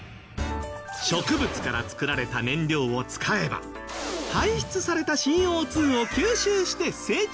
植物から作られた燃料を使えば排出されたＣＯ２を吸収して成長。